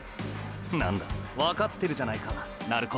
なんだわかってるじゃないか鳴子！！